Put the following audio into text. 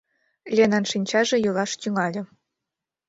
— Ленан шинчаже йӱлаш тӱҥале.